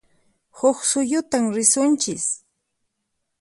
Huq suyutan risunchis